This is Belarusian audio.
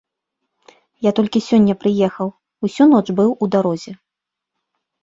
Я толькі сёння прыехаў, усю ноч быў у дарозе.